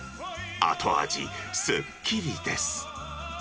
後味すっきりです。